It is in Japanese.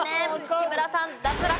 木村さん脱落です。